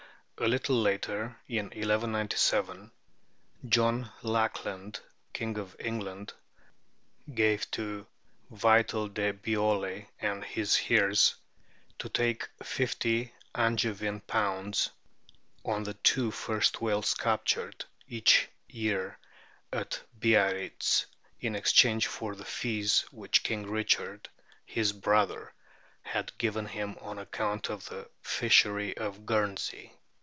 A little later, in 1197, John Lackland, King of England, "gave to Vital de Biole and his heirs to take fifty Angevin pounds on the two first whales captured each year at Biarritz in exchange for the fees which King Richard his brother had given him on account of the fishery of Guernsey."